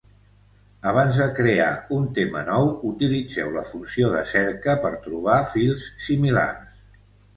Abans de crear un tema nou, utilitzeu la funció de cerca per trobar fils similars.